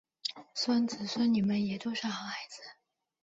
孙子孙女们也都是好孩子